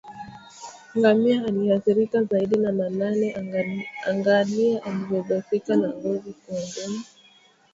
Ngamia aliyeathirika zaidi na malale angalia alivyodhoofika na ngozi kuwa ngumu